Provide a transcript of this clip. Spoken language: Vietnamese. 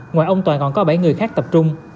ngoài ông toàn còn có bảy người khác tập trung